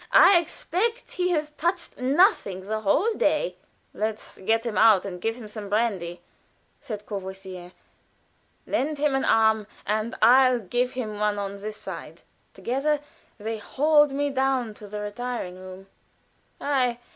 I expect he has touched nothing the whole day." "Let's get him out and give him some brandy," said Courvoisier. "Lend him an arm, and I'll give him one on this side." Together they hauled me down to the retiring room. "_Ei!